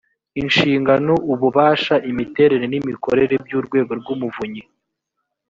inshingano ububasha imiterere n’imikorere by’urwego rw’umuvunyi